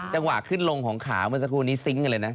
จังหวะขึ้นลงของขาวเมื่อสักครู่นี้ซิงค์กันเลยนะ